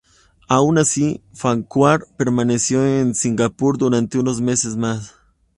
Aun así, Farquhar permaneció en Singapur durante unos meses más.